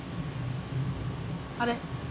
あれ？